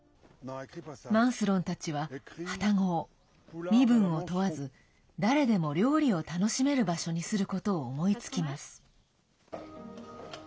マンスロンたちは、はたごを身分を問わず誰でも料理を楽しめる場所にすることを思いつきます。